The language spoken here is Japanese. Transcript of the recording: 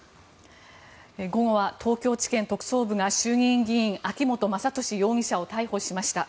午後は東京地検特捜部が衆議院議員、秋本真利容疑者を逮捕しました。